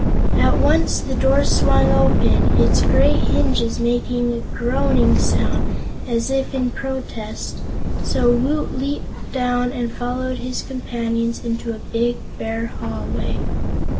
At once the door swung open, its great hinges making a groaning sound as if in protest, so Woot leaped down and followed his companions into a big, bare hallway.